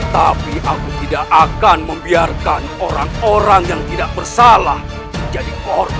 tapi aku tidak akan membiarkan orang orang yang tidak bersalah menjadi korban